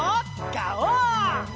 ガオー！